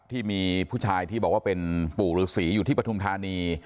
ที่มีผู้ชายที่บอกว่าเป็นปู่ฤษีอยู่ที่ปฐุมธานี